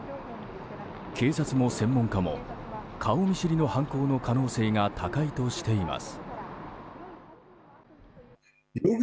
警察も専門家も顔見知りの犯行の可能性が高いとしています。